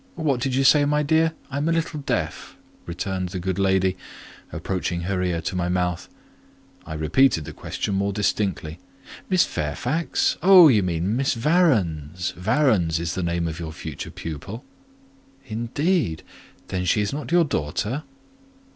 "What did you say, my dear? I am a little deaf," returned the good lady, approaching her ear to my mouth. I repeated the question more distinctly. "Miss Fairfax? Oh, you mean Miss Varens! Varens is the name of your future pupil." "Indeed! Then she is not your daughter?"